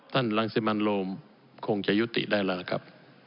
ท่านลังศิบาลโลมคงจะยุติได้แล้วครับ